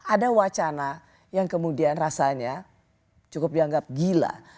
ada wacana yang kemudian rasanya cukup dianggap gila